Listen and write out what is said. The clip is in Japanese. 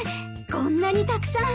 こんなにたくさん。